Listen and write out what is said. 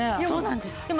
そうなんです。